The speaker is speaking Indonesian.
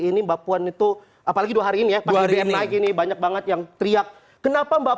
ini mbak puan itu apalagi dua hari ini ya pas naik ini banyak banget yang teriak kenapa mbak